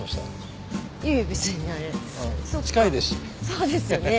そうですよね。